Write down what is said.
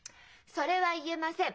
それは言えません。